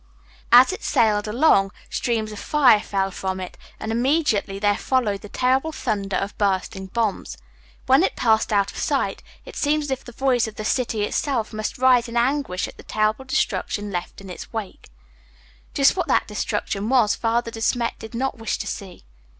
As it sailed along, streams of fire fell from it, and immediately there followed the terrible thunder of bursting bombs. When it passed out of sight, it seemed as if the voice of the city itself must rise in anguish at the terrible destruction left in its wake. Just what that destruction was, Father De Smet did not wish to see.